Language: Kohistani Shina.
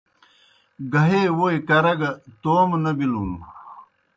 گہے ووئی کرہ گہ توموْ نہ بِلُن۔